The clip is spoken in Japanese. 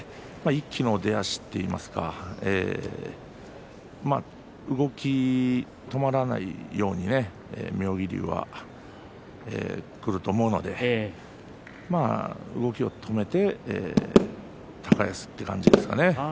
一気の出だしといいますか動きが止まらないように妙義龍はくると思うので動きを止めて高安という感じですかね。